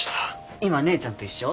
今姉ちゃんと一緒？